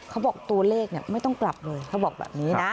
เขาบอกตัวเลขไม่ต้องกลับเลยเขาบอกแบบนี้นะ